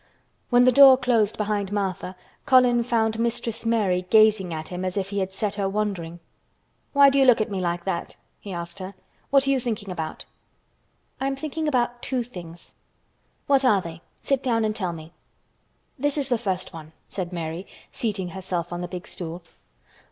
When the door closed behind Martha, Colin found Mistress Mary gazing at him as if he had set her wondering. "Why do you look at me like that?" he asked her. "What are you thinking about?" "I am thinking about two things." "What are they? Sit down and tell me." "This is the first one," said Mary, seating herself on the big stool.